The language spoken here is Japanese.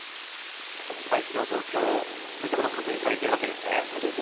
アイスの状況、そういったものを確認されているわけですね。